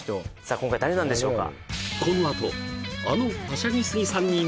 今回誰なんでしょうか？